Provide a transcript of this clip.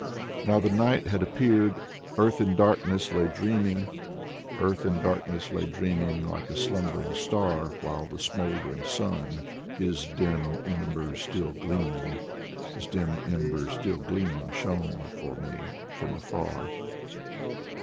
Now the night had appeared; Earth in darkness lay dreaming, Earth in darkness lay dreaming, like a slumbering star. While the smoldering sun, his dim embers still gleaming. His dim embers still gleaming, shone for me from afar.